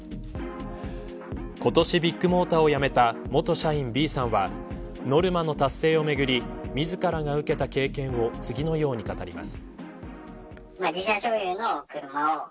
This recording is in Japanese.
今年ビッグモーターを辞めた元社員Ｂさんはノルマの達成をめぐり自らが受けた経験を次のように語ります。